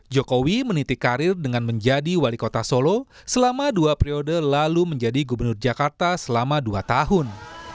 jokowi menitik karir dengan menjadi wali kota solo selama dua periode lalu menjadi gubernur jakarta selama dua tahun